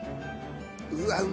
うわっうま